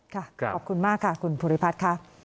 ขอบคุณมากค่ะคุณภูริพัฒน์ค่ะ